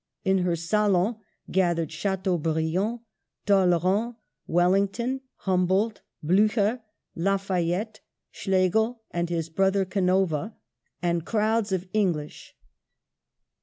In her salon gathered Chi teaubriand, Talleyrand, Wellington, Humboldt, Blucher, Lafayette, Schlegel and his brother, Canova, and crowds of English.